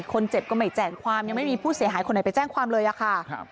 คนเจ็บก็ไม่แจ้งความยังไม่มีผู้เสียหายคนไหนไปแจ้งความเลยอะค่ะ